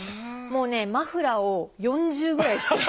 もうねマフラーを４重ぐらいして。